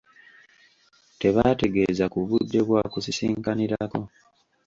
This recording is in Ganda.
Tebaategeeza ku budde bwa kusisinkanirako.